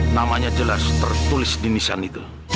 namanya jelas tertulis di nisan itu